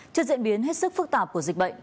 trước diễn biến hết sức phức tạp của dịch bệnh